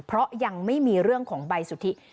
เพราะยังไม่มีเรื่องของใบสุทธิ